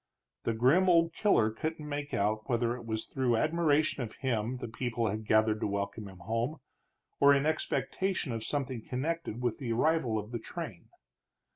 The grim old killer couldn't make out whether it was through admiration of him the people had gathered to welcome him home, or in expectation of something connected with the arrival of the train.